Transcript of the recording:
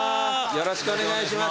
よろしくお願いします。